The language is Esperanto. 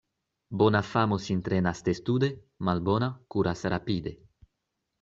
Bona famo sin trenas testude, malbona kuras rapide.